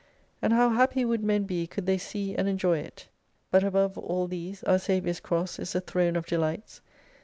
And how happy would men be could they see and enjoy it ! But above all these our Saviour's cross is the throne of delights.